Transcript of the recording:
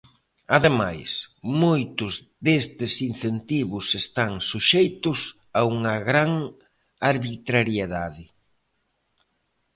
Ademais, moitos destes incentivos están suxeitos a unha gran arbitrariedade.